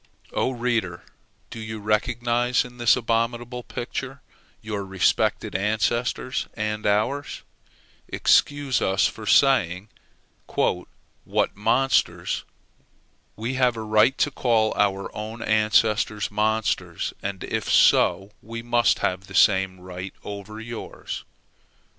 Oh, reader, do you recognize in this abominable picture your respected ancestors and ours? Excuse us for saying "What monsters!" We have a right to call our own ancestors monsters; and, if so, we must have the same right over yours.